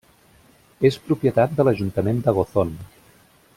És propietat de l'ajuntament de Gozón.